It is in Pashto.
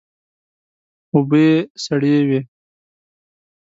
اوبه یې سړې وې.